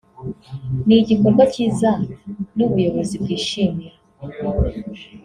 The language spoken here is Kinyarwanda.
ni igikorwa cyiza n’ubuyobozi bwishimira